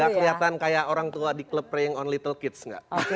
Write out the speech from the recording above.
enggak kelihatan kayak orang tua di club preying on little kids enggak